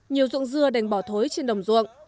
nhiều ruộng dưa đành bỏ thối trên đồng ruộng